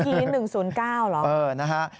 เมื่อกี้๑๐๙หรอ